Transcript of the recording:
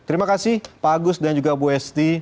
terima kasih pak agus dan juga bu esti